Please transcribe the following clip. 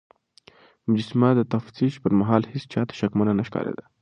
مجسمه د تفتيش پر مهال هيڅ چا ته شکمنه نه ښکارېده.